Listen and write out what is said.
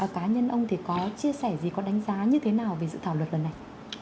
cá nhân ông thì có chia sẻ gì có đánh giá như thế nào về dự thảo luật lần này